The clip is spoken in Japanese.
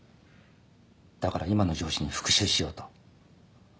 だから今の上司に復讐しようと。